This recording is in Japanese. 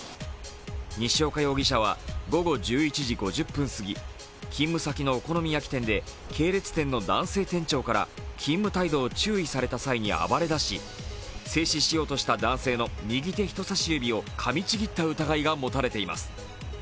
西岡容疑者は午後１１時５０分過ぎ、勤務先のお好み焼き店で系列店の男性店長から勤務態度を注意された際に暴れ出し、制止しようとした男性の右手人さし指をかみちぎった疑いが持たれています。